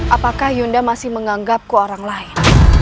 apakah yunda masih menganggap ke orang lain